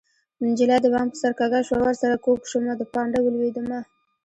نجلۍ د بام په سر کږه شوه ورسره کوږ شومه د پانډه ولوېدمه